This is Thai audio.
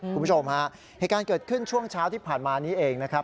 คุณผู้ชมฮะเหตุการณ์เกิดขึ้นช่วงเช้าที่ผ่านมานี้เองนะครับ